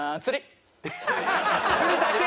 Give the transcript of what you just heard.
釣りだけ？